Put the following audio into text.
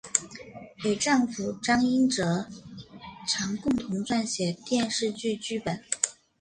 与丈夫张英哲常共同撰写电视剧剧本。